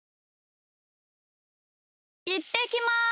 いってきます！